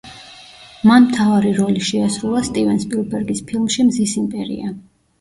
მან მთავარი როლი შეასრულა სტივენ სპილბერგის ფილმში „მზის იმპერია“.